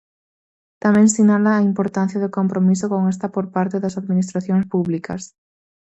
Tamén sinala a importancia do compromiso con esta por parte das Administracións públicas.